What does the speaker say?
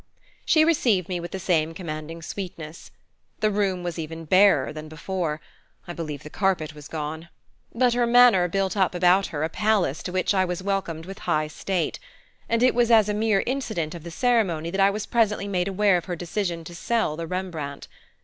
She received me with the same commanding sweetness. The room was even barer than before I believe the carpet was gone but her manner built up about her a palace to which I was welcomed with high state; and it was as a mere incident of the ceremony that I was presently made aware of her decision to sell the Rembrandt.